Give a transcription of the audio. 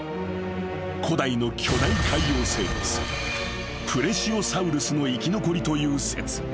［古代の巨大海洋生物プレシオサウルスの生き残りという説］